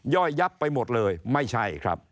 ่อยยับไปหมดเลยไม่ใช่ครับ